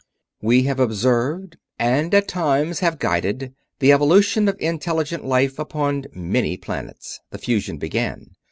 "We have observed, and at times have guided, the evolution of intelligent life upon many planets," the fusion began.